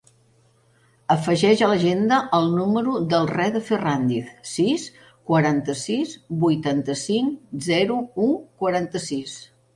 Afegeix a l'agenda el número del Reda Ferrandiz: sis, quaranta-sis, vuitanta-cinc, zero, u, quaranta-sis.